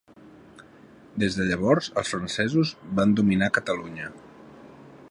Des de llavors els francesos van dominar Catalunya.